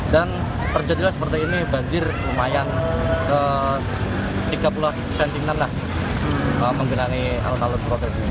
dan terjadilah seperti ini banjir lumayan tiga puluh cm lah menggunakan alun alun purwodadi